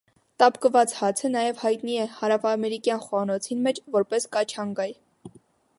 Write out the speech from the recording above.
Տապկուած հացը նաեւ յայտնի է հարաւամերիկեան խոհանոցին մէջ՝ որպէս «կաչանգայ»։